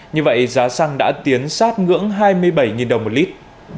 như vậy giá xăng đã tiến sát ngưỡng hai mươi bảy đồng một lít